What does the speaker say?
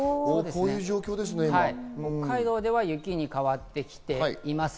北海道では雪に変わってきています。